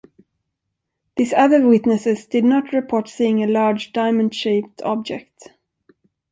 These other witnesses did not report seeing a large diamond-shaped object.